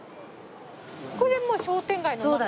これもう商店街の中？